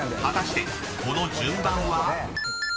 ［果たしてこの順番は？］